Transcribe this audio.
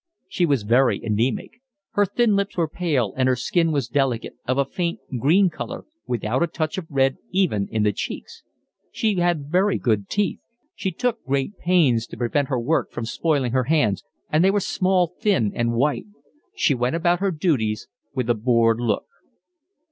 She was very anaemic. Her thin lips were pale, and her skin was delicate, of a faint green colour, without a touch of red even in the cheeks. She had very good teeth. She took great pains to prevent her work from spoiling her hands, and they were small, thin, and white. She went about her duties with a bored look.